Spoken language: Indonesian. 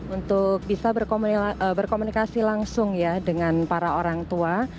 untuk bisa berkomunikasi langsung ya dengan para orang tua